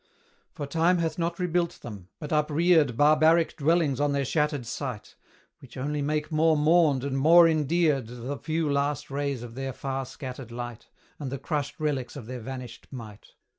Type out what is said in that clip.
For time hath not rebuilt them, but upreared Barbaric dwellings on their shattered site, Which only make more mourned and more endeared The few last rays of their far scattered light, And the crushed relics of their vanished might.